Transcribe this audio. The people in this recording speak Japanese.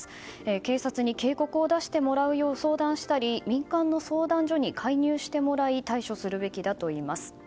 警察に警告を出してもらうよう相談したり民間の相談所に介入してもらい対処するべきだといいます。